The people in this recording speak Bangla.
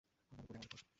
আল্লাহর উপরই আমাদের ভরসা।